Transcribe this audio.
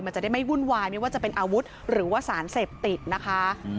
มันจะได้ไม่วุ่นวายไม่ว่าจะเป็นอาวุธหรือว่าสารเสพติดนะคะ